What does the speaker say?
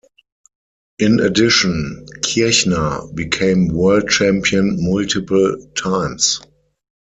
In addition Kirchner became World Champion multiple times.